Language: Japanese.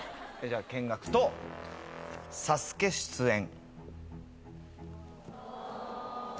「見学」と「『ＳＡＳＵＫＥ』出演」